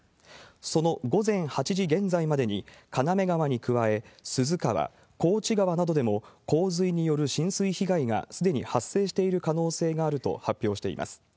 その午前８時現在までに、金目川に加え、すず川、こうち川などでも、洪水による浸水被害がすでに発生している可能性があると発表しています。